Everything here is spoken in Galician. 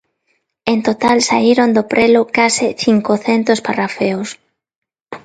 En total saíron do prelo case cincocentos Parrafeos.